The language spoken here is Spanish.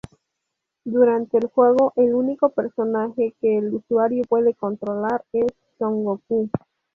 Durante el juego, el único personaje que el usuario puede controlar es Son Goku.